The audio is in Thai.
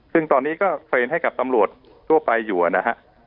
ซึ่งตอนนี้ก็เทรนด์ให้กับตำรวจทั่วไปอยู่นะฮะ